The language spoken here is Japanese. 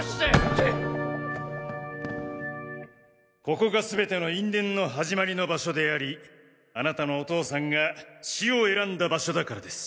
ここがすべての因縁の始まりの場所でありあなたのお父さんが死を選んだ場所だからです！